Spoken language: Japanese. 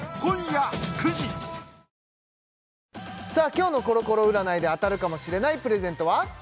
今日のコロコロ占いで当たるかもしれないプレゼントは？